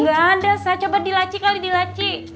gak ada saya coba di laci kali di laci